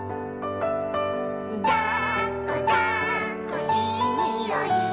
「だっこだっこいいにおい」